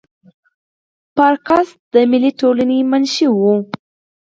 پارکس د ملي ټولنې منشي وه.